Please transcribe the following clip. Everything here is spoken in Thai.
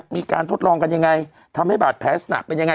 มีการทดลองกันยังไงทำให้บาดแผลลักษณะเป็นยังไง